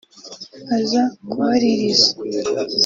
aza kubaririza